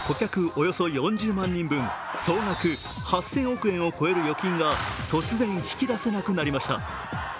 およそ４０万人分、総額８０００億円を超える預金が突然、引き出せなくなりました。